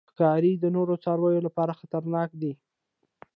ښکاري د نورو څارویو لپاره خطرناک دی.